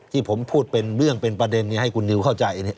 ที่ผมพูดเป็นเรื่องเป็นประเด็นนี้ให้คุณนิวเข้าใจ